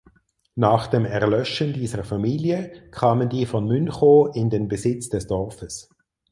Nach dem Erlöschen dieser Familie kamen die von Münchow in den Besitz des Dorfes.